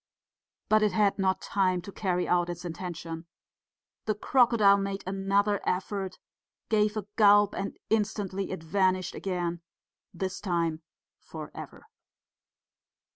But it had not time to carry out its intention; the crocodile made another effort, gave a gulp and instantly it vanished again this time for ever.